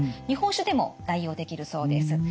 日本酒でも代用できるそうです。